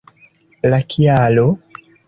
La kialo?